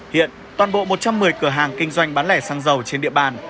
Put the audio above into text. hiện toàn bộ một trăm một mươi cửa hàng kinh doanh bán lẻ sang giàu trên địa bàn